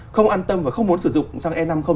không an tâm và không muốn sử dụng sang e năm không